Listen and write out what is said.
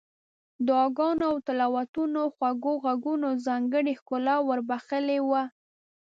دعاګانو او تلاوتونو خوږو غږونو ځانګړې ښکلا ور بخښلې وه.